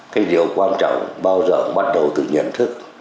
cái điều quan trọng bao giờ bắt đầu từ nhận thức